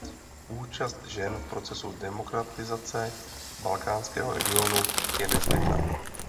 Účast žen v procesu demokratizace balkánského regionu je nezbytná.